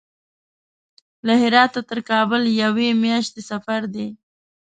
له هراته تر کابل یوې میاشتې سفر دی.